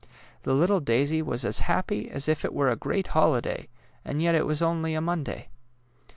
The little daisy was as happy as if it were a great holiday, and yet it was only a Monday.